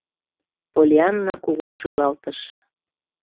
Поллианна кугун шӱлалтыш...